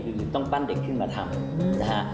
คือต้องปั้นเด็กขึ้นมาทำนะฮะ